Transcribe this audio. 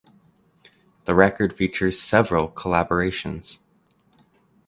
The record features several collaborations.